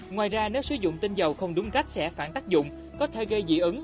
ngoài ra nếu sử dụng tinh dầu không đúng cách sẽ phản tác dụng có thể gây dị ứng